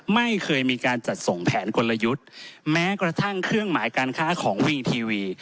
ไม่เคยมีการจัดส่งแผนกลยุทธ์แม้กระทั่งเครื่องหมายการค้าของวีทีวี